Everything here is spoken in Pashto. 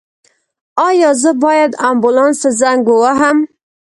ایا زه باید امبولانس ته زنګ ووهم؟